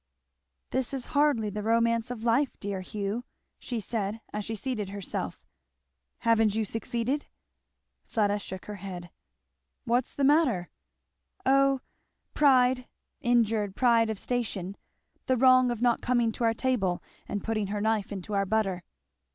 "This is hardly the romance of life, dear Hugh," she said as she seated herself. "Haven't you succeeded?" Fleda shook her head. "What's the matter?" "O pride, injured pride of station! The wrong of not coming to our table and putting her knife into our butter."